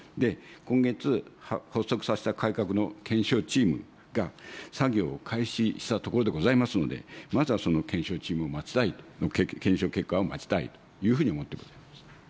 今月発足させた改革の検証チームが、作業を開始したところでございますので、まずはその検証チームを待ちたい、検証結果を待ちたいというふうに思ってございます。